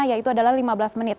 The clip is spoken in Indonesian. yaitu adalah lima belas menit